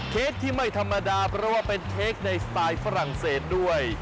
เค้กที่ไม่ธรรมดาเพราะว่าเป็นเค้กในสไตล์ฝรั่งเศสด้วย